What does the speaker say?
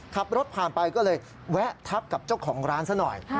ขับรถผ่านไปก็เลยแวะทักกับเจ้าของร้านซะหน่อย